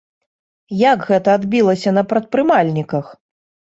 Як гэта адбілася на прадпрымальніках?